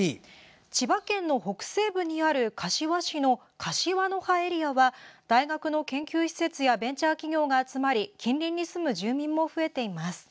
千葉県の北西部にある柏市の柏の葉エリアは大学の研究施設やベンチャー企業が集まり近隣に住む住民も増えています。